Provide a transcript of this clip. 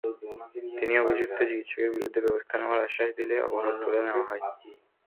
তিনি অভিযুক্ত চিকিৎসকের বিরুদ্ধে ব্যবস্থা নেওয়ার আশ্বাস দিলে অবরোধ তুলে নেওয়া হয়।